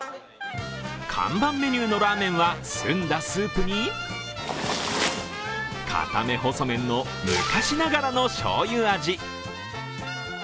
看板メニューのラーメンは澄んだスープに固め細麺の昔ながらのしょうゆ味。